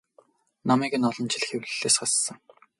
Номыг нь олон жил хэвлэлээс хассан.